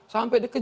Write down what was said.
sampai di kampanye